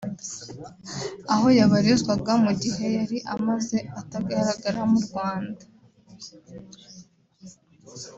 aho yabarizwaga mu gihe yari amaze atagaragara mu Rwanda